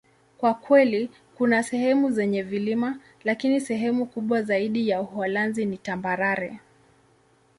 Kwa kweli, kuna sehemu zenye vilima, lakini sehemu kubwa zaidi ya Uholanzi ni tambarare.